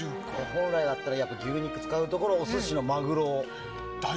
本来だったら牛肉を使うところをお寿司のマグロを。